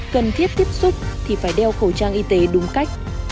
cần thiết tiếp xúc thì phải đeo khẩu trang y tế đúng cách